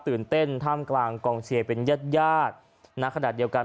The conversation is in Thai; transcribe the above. ตื่นเต้นท่ามกลางกองเชียร์เป็นญาติญาติณขณะเดียวกัน